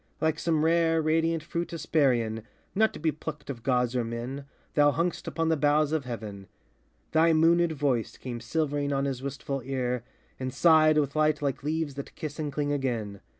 Like some rare, radiant fruit Hesperian, Not to be plucked of gods or men, thou hung'st Upon the boughs of heaven. Thy moonéd voice Came silvering on his wistful ear, and sighed With light like leaves that kiss and cling again.